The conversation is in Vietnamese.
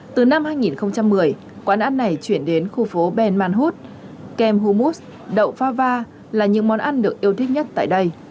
từ năm hai nghìn một mươi quán ăn này chuyển đến khu phố ben manhut kem hummus đậu fava là những món ăn được yêu thích nhất tại đây